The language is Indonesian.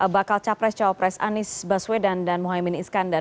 bakal capres cawapres anies baswedan dan muhaymin iskandar